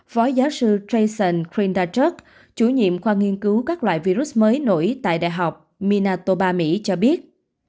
phó giáo sư tration crindacherk chủ nhiệm khoa nghiên cứu các loại virus mới nổi tại đại học minatoba mỹ cho biết